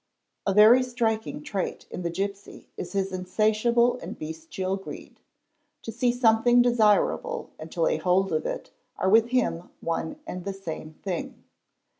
A very striking trait in the gipsy is his insatiable and bestial greed. To see something desirable and to lay hold of it are with him one and the same thing.